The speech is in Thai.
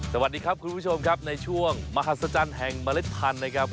สวัสดีครับคุณผู้ชมครับในช่วงมหัศจรรย์แห่งเมล็ดพันธุ์นะครับ